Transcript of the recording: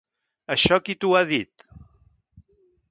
Això qui t'ho ha dit?